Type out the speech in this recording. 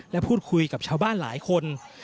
และพูดคุยกับชาวบ้านหลายคน